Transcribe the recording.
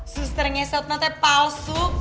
susternya satu itu palsu